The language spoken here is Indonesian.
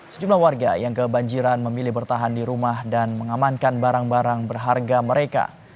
sejumlah warga yang kebanjiran memilih bertahan di rumah dan mengamankan barang barang berharga mereka